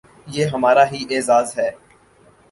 یہ ہمارا ہی اعزاز ہے۔